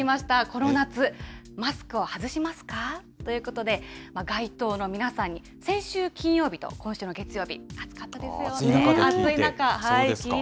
この夏、マスクを外しますか？ということで、街頭の皆さんに、先週金曜日と今週の月曜日、暑かったですよね。